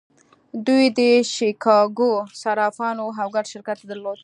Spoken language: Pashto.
دوی د شیکاګو صرافان وو او ګډ شرکت یې درلود